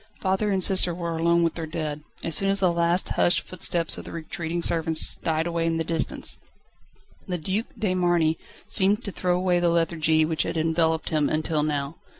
Father and sister were alone with their dead. As soon as the last hushed footsteps of the retreating servants died away in the distance, the Duc de Marny seemed to throw away the lethargy which had enveloped him until now.